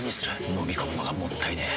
のみ込むのがもったいねえ。